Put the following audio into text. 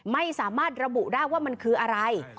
ไม่สามารถระบุได้ว่ามันคืออะไร